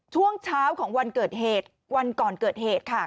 ช่วงเช้าของวันเกิดเหตุวันก่อนเกิดเหตุค่ะ